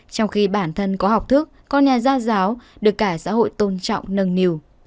trong khi bản thân có học thức có nhà gia giáo được cả xã hội tôn trọng nâng nhiều